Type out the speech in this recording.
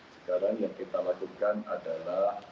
sekarang yang kita lakukan adalah